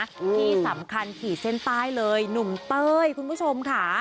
ที่สำคัญขี่เส้นใต้เลยหนุ่มเต้ยคุณผู้ชมค่ะ